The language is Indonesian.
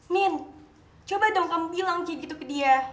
mimin coba dong kamu bilang gitu ke dia